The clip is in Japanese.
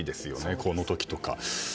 この時とか。